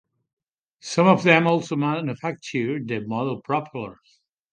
Some of them also manufacture their model propellers.